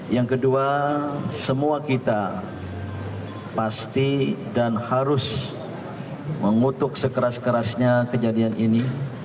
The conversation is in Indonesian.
yang kedua semua kita pasti dan harus mengutuk sekeras kerasnya kejadian ini